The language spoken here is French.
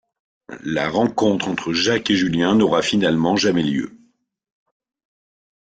La rencontre entre Jacques et Julien n'aura finalement jamais lieu.